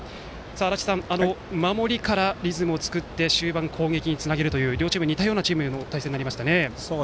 足達さん、守りからリズムを作って終盤に攻撃につなげるという両チーム似たようなチームの対戦になりましたね。